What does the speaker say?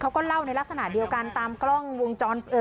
เขาก็เล่าในลักษณะเดียวกันตามกล้องวงจรปิด